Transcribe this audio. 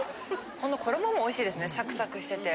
この衣もおいしいですねサクサクしてて。